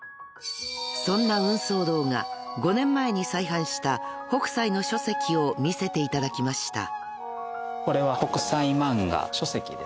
［そんな芸艸堂が５年前に再版した北斎の書籍を見せていただきました］